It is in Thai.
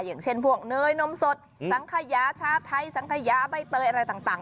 อย่างเช่นพวกเนยนมสดสังขยาชาไทยสังขยาใบเตยอะไรต่าง